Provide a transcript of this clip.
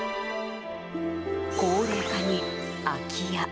高齢化に空き家。